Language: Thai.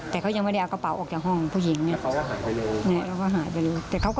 แต่แกงหยังไม่ได้เอากระเป๋าออกจากห้องเพื่อหลงผู้หญิง